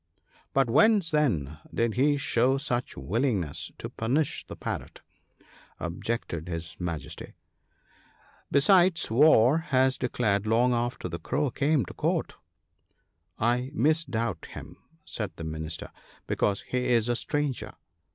" But whence, then, did he show such willingness to punish the Parrot?" objected his Majesty. "Besides, war was declared long after the Crow came to Court." " I misdoubt him," said the Minister, " because he is a stranger."